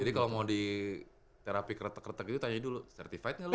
jadi kalau mau di terapi kretek kretek itu tanya dulu certified nya lo